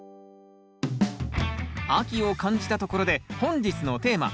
秋を感じたところで本日のテーマ。